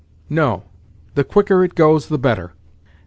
"No. The quicker it goes the better."